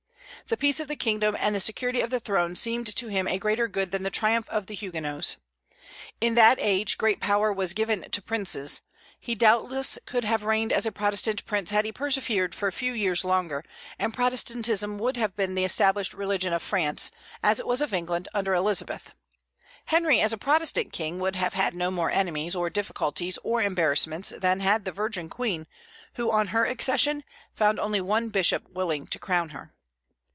The peace of the kingdom and the security of the throne seemed to him a greater good than the triumph of the Huguenots. In that age great power was given to princes; he doubtless could have reigned as a Protestant prince had he persevered for a few years longer, and Protestantism would have been the established religion of France, as it was of England under Elizabeth. Henry as a Protestant king would have had no more enemies, or difficulties, or embarrassments than had the Virgin Queen, who on her accession found only one bishop willing to crown her.